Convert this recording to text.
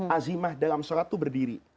azimah dalam sholat itu berdiri